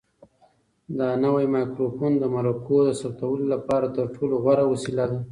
دا نوی مایکروفون د مرکو د ثبتولو لپاره تر ټولو غوره وسیله ده.